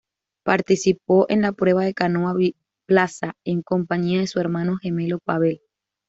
Participó en la prueba de canoa biplaza en compañía de su hermano gemelo Pavel.